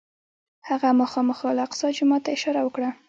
هغه مخامخ الاقصی جومات ته اشاره وکړه.